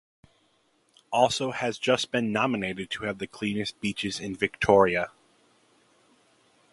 Also has just been nominated to have the cleanest beaches in Victoria.